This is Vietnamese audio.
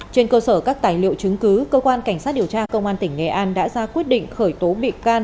trên cơ sở các tài liệu chứng cứ cơ quan cảnh sát điều tra công an tỉnh nghệ an đã ra quyết định khởi tố bị can